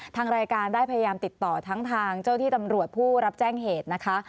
ทางรายการได้พยายามติดต่อทั้งทางเจ้าที่ตำรวจผู้รับแจ้งเหตุนะคะ